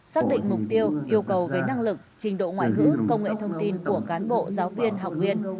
xác định mục tiêu yêu cầu về năng lực trình độ ngoại ngữ công nghệ thông tin của cán bộ giáo viên học viên